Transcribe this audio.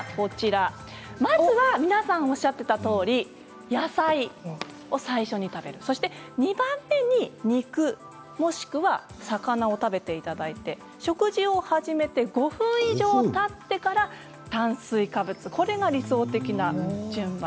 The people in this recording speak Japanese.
まずは皆さんおっしゃっていたとおり野菜野菜を最初に食べてそして、２番目に肉もしくは魚食べていただいて食事をして５分以上たったら炭水化物、これが理想的な順番。